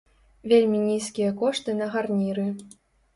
Вельмі нізкія кошты на гарніры.